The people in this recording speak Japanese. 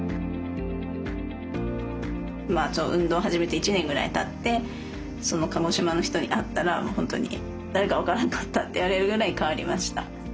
運動を始めて１年ぐらいたって鹿児島の人に会ったら本当に誰か分からなかったって言われるぐらい変わりました。